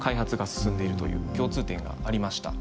進んでいるという共通点がありました。